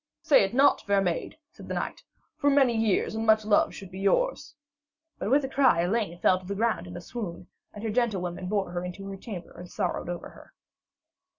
'Say it not, fair maid,' said the knight, 'for many years and much love should be yours.' But with a cry Elaine fell to the ground in a swoon, and her gentlewomen bore her into her chamber and sorrowed over her.